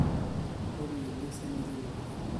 Ur yelli Sami d ungif.